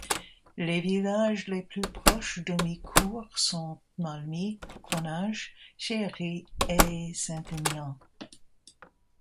Les villages les plus proches d'Omicourt sont Malmy, Connage, Chéhéry et Saint-Aignan.